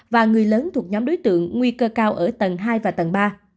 và người lớn thuộc nhóm đối tượng nguy cơ cao ở tầng hai và tầng ba